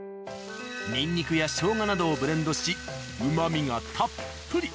ニンニクやショウガなどをブレンドしうまみがたっぷり。